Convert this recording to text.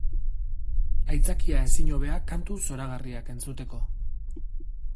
Aitzakia ezinhobea kantu zoragarriak entzuteko.